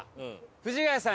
藤ヶ谷さん